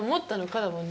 だもんね。